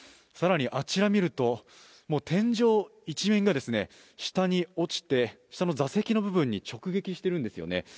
更に、あちら見ると天井一面が下に落ちて下の座席の部分に直撃しているんですよね。